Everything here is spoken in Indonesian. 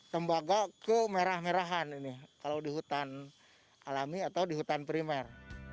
tembaga kemerah merahan ini kalau di hutan alami atau di hutan primer